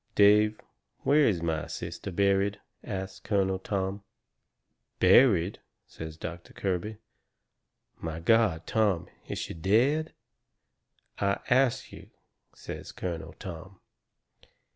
"Dave, where is my sister buried?" asts Colonel Tom. "Buried?" says Doctor Kirby. "My God, Tom, is she DEAD?" "I ask you," says Colonel Tom.